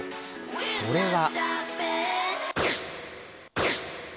それは。